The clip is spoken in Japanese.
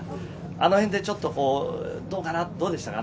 あの辺でどうかなってどうでしたか？